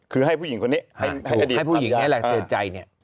คือให้ผู้หญิงคนนี้ให้ผู้หญิงนี่แหละเตือนใจเนี่ย